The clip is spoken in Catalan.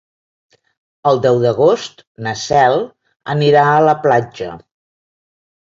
El deu d'agost na Cel anirà a la platja.